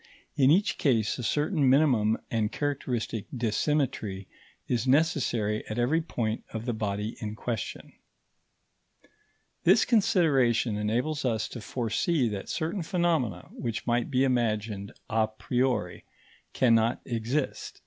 in each case a certain minimum and characteristic dissymmetry is necessary at every point of the body in question. This consideration enables us to foresee that certain phenomena which might be imagined a priori cannot exist.